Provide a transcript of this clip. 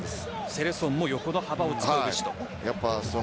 セレソンも横の幅を使うべしと。